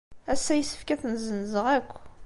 Ass-a, yessefk ad ten-ssenzeɣ akk.